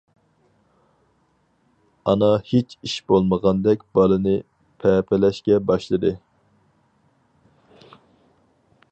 ئانا ھېچ ئىش بولمىغاندەك بالىنى پەپىلەشكە باشلىدى.